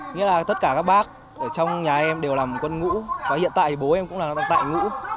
nghĩa là tất cả các bác ở trong nhà em đều làm quân ngũ và hiện tại bố em cũng đang tại ngũ